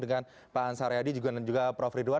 dengan pak ansar yadi dan juga prof ridwan